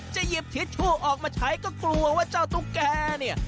หยิบทิชชู่ออกมาใช้ก็กลัวว่าเจ้าตุ๊กแกเนี่ย